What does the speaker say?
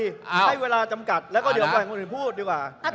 ให้เวลาจำกัดแล้วก็เดี๋ยวปล่อยคนอื่นพูดดีกว่า